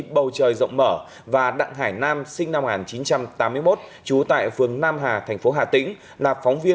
bầu trời rộng mở và đặng hải nam sinh năm một nghìn chín trăm tám mươi một chú tại phường nam hà thành phố hà tĩnh